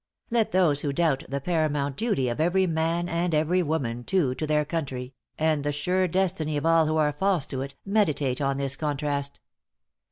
Let those who doubt the paramount duty of every man and every woman, too, to their country, and the sure destiny of all who are false to it, meditate on this contrast.